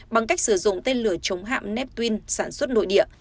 bằng cách sử dụng tên lửa chống hạm nepine sản xuất nội địa